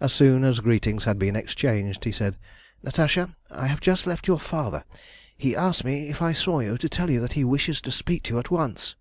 As soon as greetings had been exchanged, he said "Natasha, I have just left your father. He asked me, if I saw you, to tell you that he wishes to speak to you at once."